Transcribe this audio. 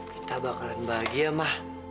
kita bakalan bahagia ma